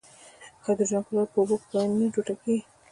هایدروجن کلوراید په اوبو کې په آیونونو ټوټه کیږي.